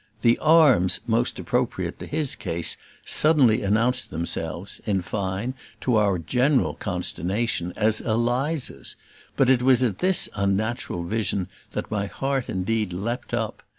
The "arms" most appropriate to his case suddenly announced themselves, in fine, to our general consternation, as Eliza's: but it was at this unnatural vision that my heart indeed leaped up.